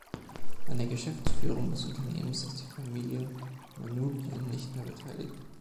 An der Geschäftsführung des Unternehmens ist die Familie Manoogian nicht mehr beteiligt.